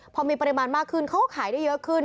พอมีปริมาณมากขึ้นเขาก็ขายได้เยอะขึ้น